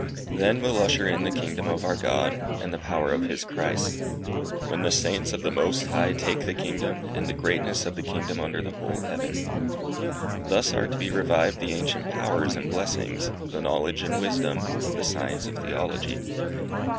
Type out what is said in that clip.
Then will usher in the kingdom of our God, and the power of His Christ. Then will the Saints of the Most High take the kingdom, and the greatness of the kingdom under the whole heaven. Thus are to be revived the ancient powers and blessings, the knowledge and wisdom, of the science of Theology.